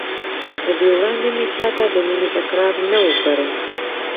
له دې وړاندې مې چا ته د مینې اقرار نه و کړی.